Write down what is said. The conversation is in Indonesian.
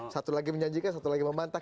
satu lagi menjanjikan satu lagi membantah